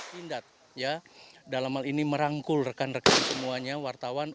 pindad dalam hal ini merangkul rekan rekan semuanya wartawan